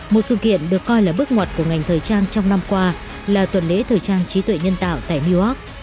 một sự kiện được coi là bước ngoặt của ngành thời trang trong năm qua là tuần lễ thời trang trí tuệ nhân tạo tại new york